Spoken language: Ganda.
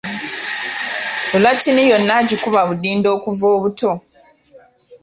Lulattini yonna agikuba budinda okuva obuto